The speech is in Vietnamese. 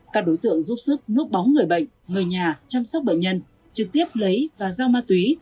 các đối tượng giúp sức núp bóng người bệnh người nhà chăm sóc bệnh nhân trực tiếp lấy và giao ma túy